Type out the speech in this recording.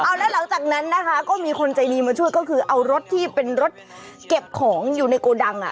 เอาแล้วหลังจากนั้นนะคะก็มีคนใจดีมาช่วยก็คือเอารถที่เป็นรถเก็บของอยู่ในโกดังอ่ะ